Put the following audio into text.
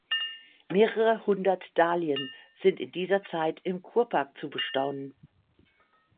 Mehrere hundert Dahlien sind in dieser Zeit im Kurpark zu bestaunen.